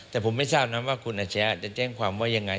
แต่ผมไม่ทราบนะว่าคุณอาชญาจะแจ้งความว่ายังไง